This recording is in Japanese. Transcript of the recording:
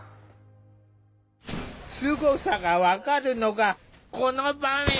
すごさが分かるのがこの場面。